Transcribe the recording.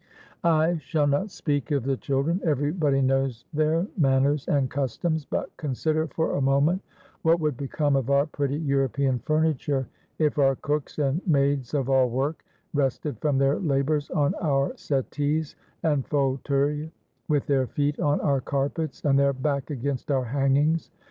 I shall not speak of the children everybody knows their manners and customs but consider for a moment what would become of our pretty European furniture if our cooks and maids of all work rested from their labours on our settees and fauteuils, with their feet on our carpets, and their back against our hangings.